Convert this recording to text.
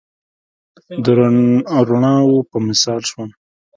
د روڼاوو په مثال شوم